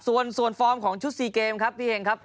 ส่วนฟอร์มของชุด๔เกมครับพี่เฮงครับ